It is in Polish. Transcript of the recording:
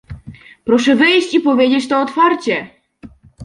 Proszę wyjść i powiedzieć to otwarcie!